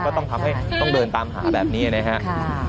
ก็ต้องทำให้ต้องเดินตามหาแบบนี้นะครับ